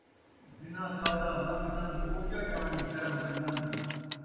جنہاں کھادا من٘گ تن٘گ، او کیا ڄاݨن شرم تے نن٘گ